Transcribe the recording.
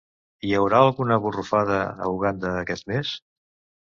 Hi haurà alguna borrufada a Uganda aquest mes?